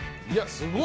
すごい。